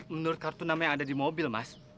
menurut kartu nama yang ada di mobilnya